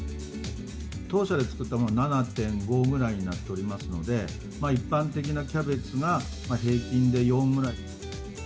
当社で作ったものが７．５ぐらいになっておりますので、一般的なキャベツが平均で４ぐらい。